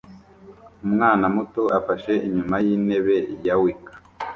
Umwana muto afashe inyuma yintebe ya wicker